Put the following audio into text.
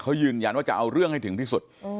เขายืนยันว่าจะเอาเรื่องให้ถึงที่สุด